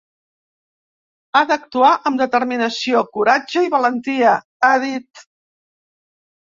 Ha d’actuar amb determinació, coratge i valentia, ha dit.